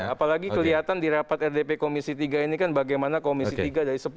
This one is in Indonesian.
apalagi kelihatan di rapat rdp komisi tiga ini kan bagaimana komisi tiga dari sepuluh